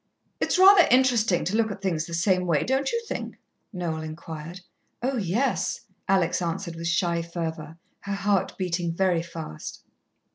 "It's rather interesting to look at things the same way, don't you think?" Noel enquired. "Oh, yes," Alex answered with shy fervour, her heart beating very fast.